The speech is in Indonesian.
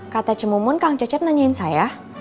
kata cimumun kang cecep nanyain saya